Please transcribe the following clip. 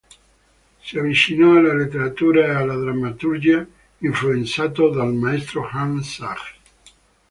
Si avvicinò alla letteratura e alla drammaturgia influenzato dal maestro Hans Sachs.